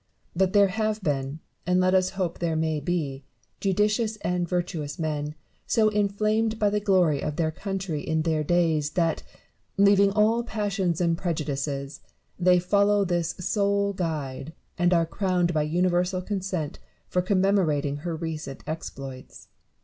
But there have been, and let us hope there may be, judicious and virtuous men, so inflamed by the glory of their country in their days, that, leaving all passions and prejudices, they follow this sole guide, and are crowned by universal consent for commemorating her recent exploits.